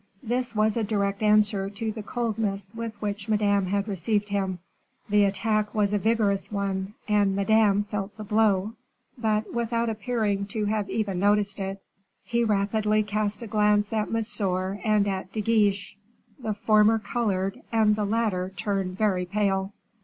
This was a direct answer to the coldness with which Madame had received him. The attack was a vigorous one, and Madame felt the blow, but without appearing to have even noticed it. He rapidly cast a glance at Monsieur and at De Guiche, the former colored, and the latter turned very pale.